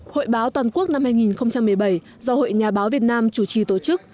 hội báo toàn quốc năm hai nghìn một mươi bảy do hội nhà báo việt nam chủ trì tổ chức